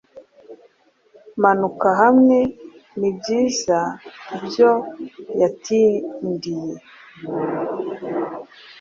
Manuka hamwe nibyiza byoe yatindiye